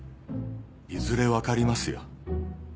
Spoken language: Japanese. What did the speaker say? いずれ分かりますよ。